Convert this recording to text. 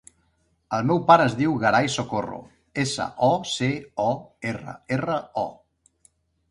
El meu pare es diu Gerai Socorro: essa, o, ce, o, erra, erra, o.